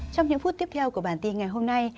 trong những phút tiếp theo của bản tin ngày hôm nay